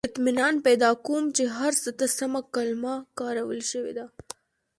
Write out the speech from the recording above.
• اطمینان پیدا کوم، چې هر څه ته سمه کلمه کارول شوې ده.